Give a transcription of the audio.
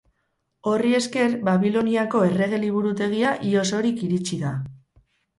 Horri esker Babiloniako errege liburutegia ia osorik iritsi da.